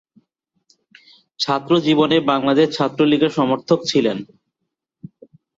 ছাত্র জীবনে বাংলাদেশ ছাত্রলীগের সমর্থক ছিলেন।